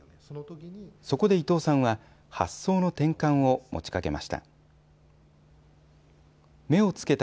そこで伊藤さんは、発想の転換を持ちかけました。